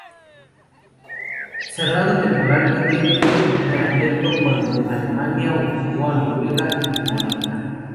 Cerrado temporalmente, fue reabierto cuando Alemania ocupó a Noruega y Dinamarca.